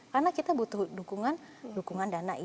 karena kita butuh dukungan dana